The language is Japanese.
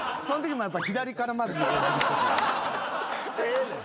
ええねん。